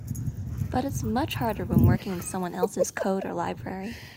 But it's much harder when working with someone else's code or library.